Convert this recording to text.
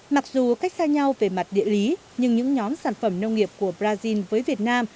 mặc dù cách xa nhau về mặt địa lý nhưng những nhóm sản phẩm nông nghiệp của brazil với việt nam